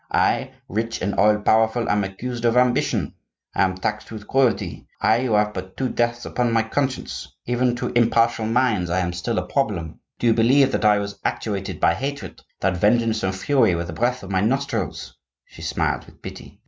I, rich and all powerful, am accused of ambition! I am taxed with cruelty,—I who have but two deaths upon my conscience. Even to impartial minds I am still a problem. Do you believe that I was actuated by hatred, that vengeance and fury were the breath of my nostrils?' She smiled with pity.